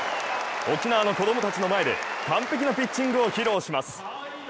沖縄の子供たちの前で完璧なピッチングを披露します。